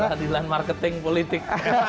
peradilan marketing politik